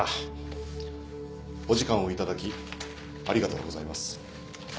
お時間を頂きありがとうございます。